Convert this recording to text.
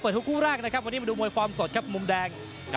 ทุกคู่แรกนะครับวันนี้มาดูมวยความสดครับมุมแดง